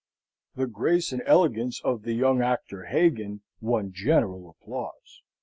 The grace and elegance of the young actor, Hagan, won general applause.